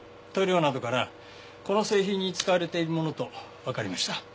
塗料などからこの製品に使われているものとわかりました。